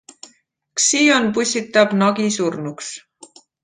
Xion pussitab Nagi surnuks.